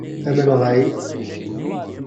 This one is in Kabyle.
Amenɣay!